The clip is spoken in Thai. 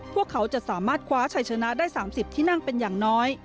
พวกเขาจะสามารถคว้าชัยชนะได้๓๐ที่นั่งเป็นอย่างน้อย